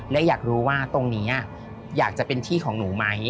และอยากรู้ว่าตรงนี้อยากจะเป็นที่ของหนูไหม